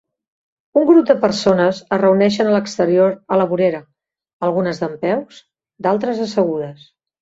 Un grup de persones es reuneixen a l'exterior a la vorera, algunes dempeus, d'altres assegudes.